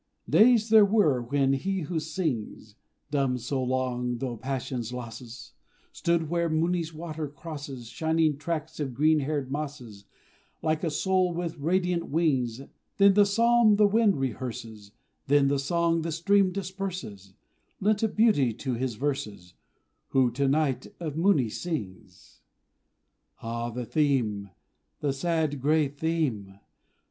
Days there were when he who sings (Dumb so long through passion's losses) Stood where Mooni's water crosses Shining tracts of green haired mosses, Like a soul with radiant wings; Then the psalm the wind rehearses Then the song the stream disperses Lent a beauty to his verses, Who to night of Mooni sings. Ah, the theme the sad, grey theme!